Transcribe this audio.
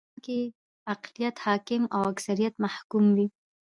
په بغلان کې اقليت حاکم او اکثريت محکوم و